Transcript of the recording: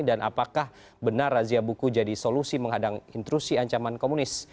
dan apakah benar razia buku jadi solusi menghadang intrusi ancaman komunis